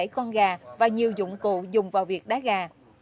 hai mươi bảy con gà và nhiều dụng cụ dùng vào việc đá gà